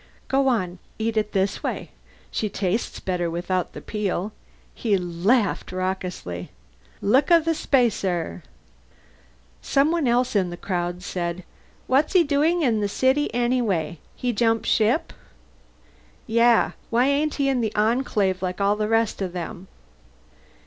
"Go on. Eat it this way. She tastes better without the peel." He laughed raucously. "Looka the spacer!" Someone else in the crowd said, "What's he doing in the city anyway? He jump ship?" "Yeah? Why ain't he in the Enclave like all the rest of them?"